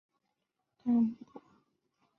同时也培养了一批检疫技术干部。